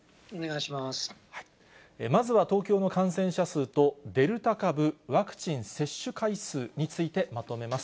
まずは東京の感染者数と、デルタ株、ワクチン接種回数についてまとめます。